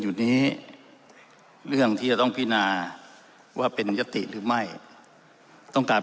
อยู่นี้เรื่องที่จะต้องพินาว่าเป็นยติหรือไม่ต้องการ